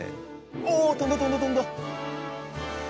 お跳んだ跳んだ跳んだ。